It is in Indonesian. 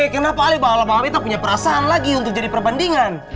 kenapa ale bahala bahamai tak punya perasaan lagi untuk jadi perbandingan